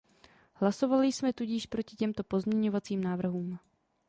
Hlasovali jsme tudíž proti těmto pozměňovacím návrhům.